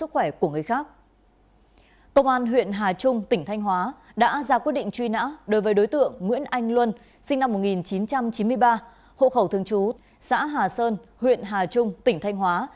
quyết định truy nã đối với đối tượng nguyễn anh luân sinh năm một nghìn chín trăm chín mươi ba hộ khẩu thương chú xã hà sơn huyện hà trung tỉnh thanh hóa